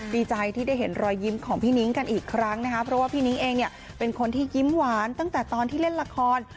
ดีใจที่ได้เห็นรอยยิ้มของพี่นิ้งกันอีกครั้งนะคะเพราะว่าพี่นิ้งเองเนี่ยเป็นคนที่ยิ้มหวานตั้งแต่ตอนที่เล่นละคร